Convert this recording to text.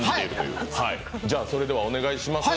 それではお願いします。